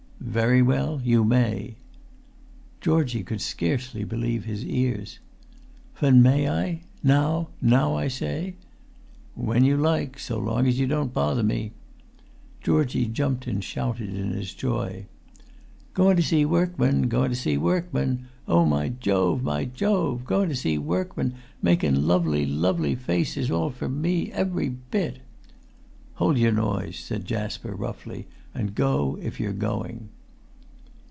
"Very well. You may." Georgie could scarcely believe his ears. "Fen may I? Now? Now, I say?" "When you like, so long as you don't bother me." Georgie jumped and shouted in his joy. "Goin' to see workman, goin' to see workman! Oh, my Jove, my Jove! Goin' to see workman makin' lovely, lovely faces all for me—every bit!" "Hold your noise," said Jasper, roughly; "and go, if you're going."